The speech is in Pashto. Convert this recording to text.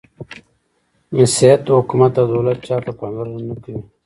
• مسیحیت د حکومت او دولت چارو ته پاملرنه نهکوي.